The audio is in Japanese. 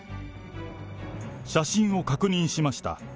写真を確認しました。